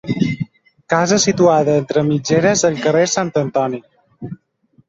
Casa situada entre mitgeres al carrer Sant Antoni.